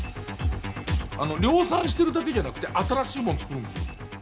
あの量産してるだけじゃなくて新しいもん作るんですよ。